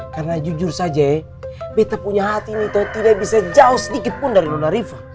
karena jujur saja bete punya hati ini toh tidak bisa jauh sedikitpun dari nona riva